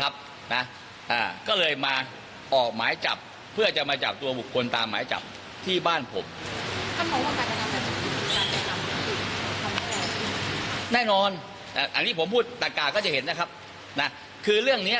ท่านายอนัญชัยกับบิ๊กโจ๊กแล้วก็มีอีก๘นายตำรวจที่ถูกออกหมายจับเนี่ย